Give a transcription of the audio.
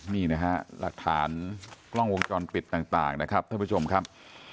นี่นะฮะหลักฐานกล้องวงจรปิดต่างนะครับท่านผู้ชมครับ